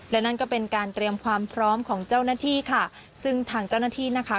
และนั่นก็เป็นการเตรียมความพร้อมของเจ้าหน้าที่ค่ะซึ่งทางเจ้าหน้าที่นะคะ